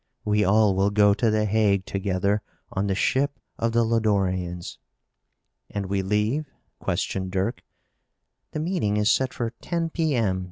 We all will go to The Hague together on the ship of the Lodorians." "And we leave?" questioned Dirk. "The meeting is set for ten P. M.